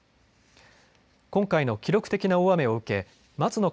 今回の記録的な大雨を受け松野